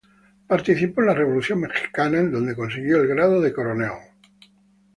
Participó en la Revolución mexicana, en donde consiguió el grado de coronel.